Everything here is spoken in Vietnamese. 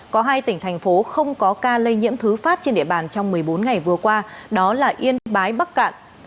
có hai tỉnh thành phố không có ca lây nhiễm thứ phát trên địa bàn trong một mươi bốn ngày vừa qua đó là yên bái bắc cạn